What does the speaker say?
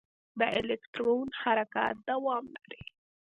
د الکترون حرکت دوام لري.